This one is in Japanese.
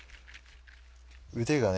腕がね